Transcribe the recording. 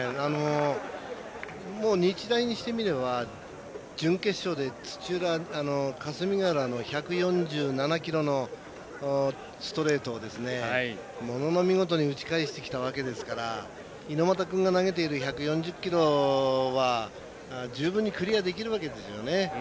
もう日大にしてみれば準決勝で霞ヶ浦の１４７キロのストレートをものの見事に打ち返してきたわけですから猪俣君が投げている１４０キロは十分にクリアできるわけですよね。